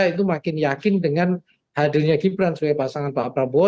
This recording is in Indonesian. itu makin yakin dengan hadirnya gibran sebagai pasangan pak prabowo